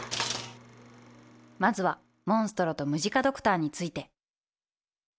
まずはモンストロとムジカドクターについて。